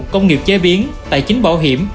công nghiệp chế biến tài chính bảo hiểm